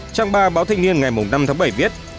trang ba báo thanh niên ngày năm tháng bảy viết